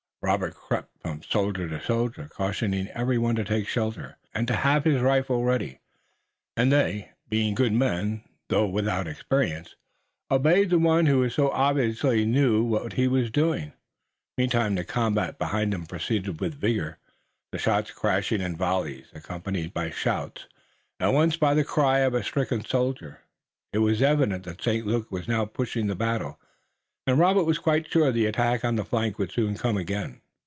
Robert crept from soldier to soldier, cautioning every one to take shelter, and to have his rifle ready, and they, being good men, though without experience, obeyed the one who so obviously knew what he was doing. Meantime the combat behind them proceeded with vigor, the shots crashing in volleys, accompanied by shouts, and once by the cry of a stricken soldier. It was evident that St. Luc was now pushing the battle, and Robert was quite sure the attack on the flank would soon come again.